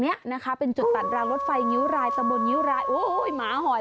เนี้ยนะคะเป็นจุดตัดรางรถไฟงิ้วรายตำบลงิ้วรายโอ้ยหมาหอย